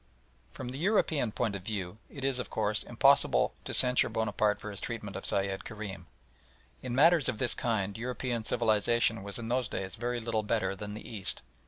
From the European point of view it is, of course, impossible to censure Bonaparte for his treatment of Sayed Kerim. In matters of this kind European civilisation was in those days very little better than the East.